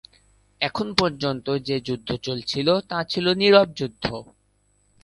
এখন পর্যন্ত যে যুদ্ধ চলছিল তা ছিল নীরব যুদ্ধ।